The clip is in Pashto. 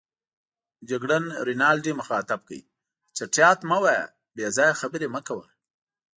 جګړن رینالډي مخاطب کړ: چټیات مه وایه، بې ځایه خبرې مه کوه.